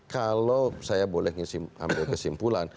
kalau saya boleh ambil kesimpulan